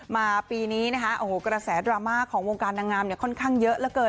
มาปีนี้กระแสดราม่าของวงการนางงามเนี่ยค่อนข้างเยอะละเกิน